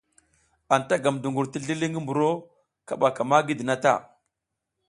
Anta gam duƞgur ti zlili ngi mburo kaɓa ka ma gidi na ta.